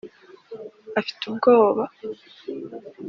afite ubwoba